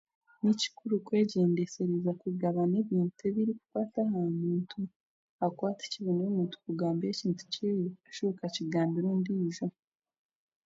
Ni kikuru kwegyendesereza kugabana ebintu ebirikukwata aha muntu ahakuba tikiboneire omuntu kukugambira ekintu kyeye okashuha okakigambira ondiijo